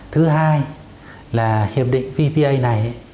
thứ hai là hiệp định vpa này